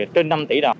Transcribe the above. trên năm tỷ đồng